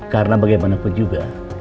karena bagaimanapun juga